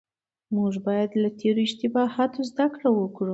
موږ بايد له تېرو اشتباهاتو زده کړه وکړو.